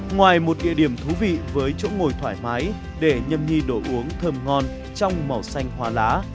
ngoài một địa điểm thú vị với chỗ ngồi thoải mái để nhâm nhi đồ uống thơm ngon trong màu xanh hoa lá